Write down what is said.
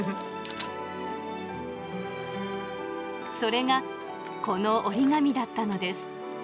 それがこの折り紙だったのです。